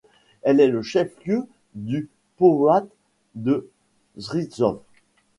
Elle est le chef-lieu du powiat de Strzyżów.